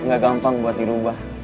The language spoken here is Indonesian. gak gampang buat dirubah